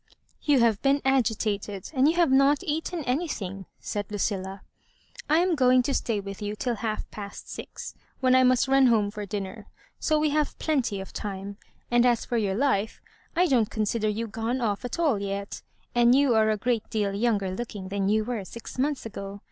" You have been agitated, and you have not eaten anything," said Lucilla. " I am going to stay with you till half past six, when I must run home for dmner, so we have plenty of time ; and as for your life, I don't consider you gone off at all yet, and you are a great deal younger lookmg than you were six months ago.